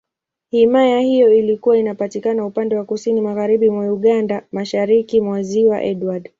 Himaya hiyo ilikuwa inapatikana upande wa Kusini Magharibi mwa Uganda, Mashariki mwa Ziwa Edward.